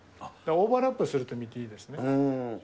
オーバーラップすると見ていいですね。